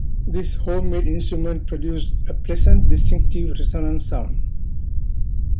This homemade instrument produced a pleasant, distinctive, resonant sound.